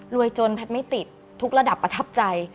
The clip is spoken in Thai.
จนแพทย์ไม่ติดทุกระดับประทับใจ